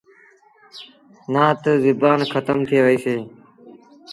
نا تا زبآن کتم ٿئي وهيسي۔